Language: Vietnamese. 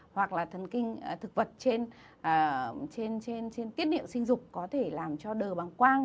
hoặc là thần kinh thực vật trên tiết điệu sinh dục có thể làm cho đờ bằng quang